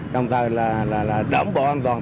trong thời là đảm bảo an toàn